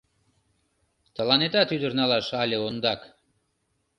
Тыланетат ӱдыр налаш але ондак.